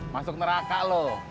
masuk neraka lo